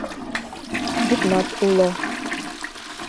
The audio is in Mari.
Вӱднат уло